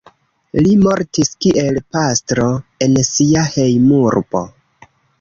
Li mortis kiel pastro en sia hejmurbo.